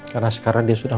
terus dua dua kali lagi